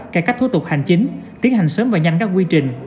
cải cách thủ tục hành chính tiến hành sớm và nhanh các quy trình